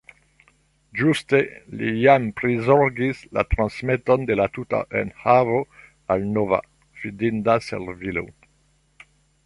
Ĝuste li jam prizorgis la transmeton de la tuta enhavo al nova, findinda servilo.